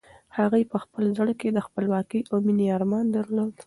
هغې په خپل زړه کې د خپلواکۍ او مېنې ارمان درلود.